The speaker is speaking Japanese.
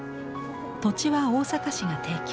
土地は大阪市が提供。